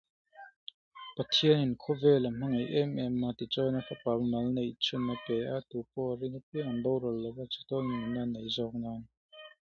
Individual regiments were distinguished by numbers on the epaulettes.